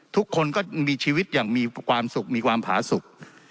ทุกคนก็มีชีวิตอย่างมีความสุขมีความผาสุข